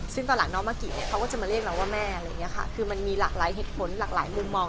ซึ่งตอนหลังน้องมากิเนี่ยเขาก็จะมาเรียกเราว่าแม่อะไรอย่างเงี้ค่ะคือมันมีหลากหลายเหตุผลหลากหลายมุมมอง